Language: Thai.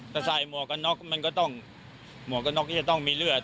แต่ใส่หมวกกันน็อกมันก็ต้องมีเลือด